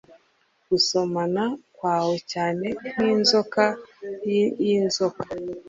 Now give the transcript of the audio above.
Gusomana kwawe cyane nk'inzoka y'inzoka